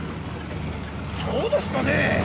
そうですかねぇ。